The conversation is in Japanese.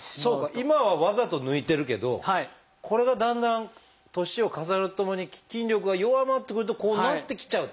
今はわざと抜いてるけどこれがだんだん年を重ねるとともに筋力が弱まってくるとこうなってきちゃうと。